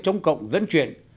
chống cộng dẫn chuyện